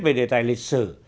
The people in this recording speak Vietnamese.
về đề tài lịch sử